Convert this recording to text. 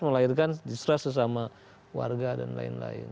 melahirkan distrust sesama warga dan lain lain